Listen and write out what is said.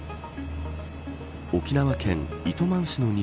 沖縄県糸満市の西